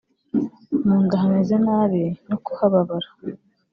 mu nda hameze nabi no kuhababara